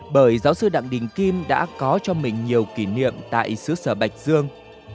bởi giáo sư đặng đình kim đã có cho mình nhiều kỷ niệm tại xứ sở bạch dương